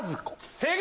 正解！